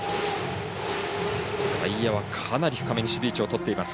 外野は、かなり深めに守備位置をとっています。